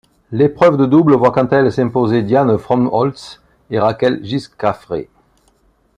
L'épreuve de double voit quant à elle s'imposer Dianne Fromholtz et Raquel Giscafré.